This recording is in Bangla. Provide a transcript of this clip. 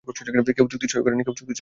কেউ চুক্তি সই করেনি।